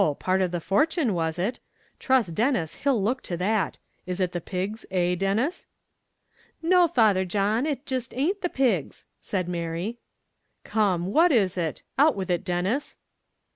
part of the fortune, was it? Trust Denis, he'll look to that; is it the pigs, eh, Denis?" "No, Father John, it jist a'nt the pigs," said Mary. "Come, what is it? out with it Denis."